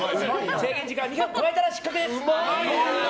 制限時間の２分を超えたら失格です。